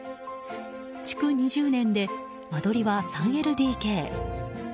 築２０年で間取りは３ＬＤＫ。